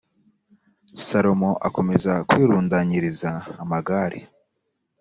salomo akomeza kwirundanyiriza amagare